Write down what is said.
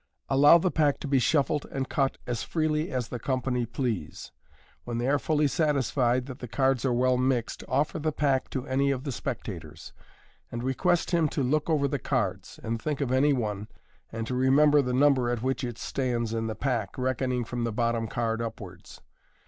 — Allow the pack to be shuffled and cut as freely as the company please. When they are fully satisfied that the cards are well mixed, offer the pack to any of the spectators, and request him to look over the cards, and think of any one, and to re member the number at which it stands in the pack, reckoning from the bottom card upwards.